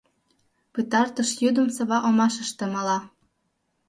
Пытартыш йӱдым Сава омашыште мала.